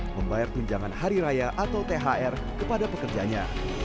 membayar tunjangan hari raya atau thr kepada pekerjanya